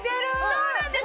そうなんです！